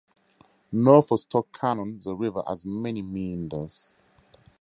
North of Stoke Canon the river has many meanders.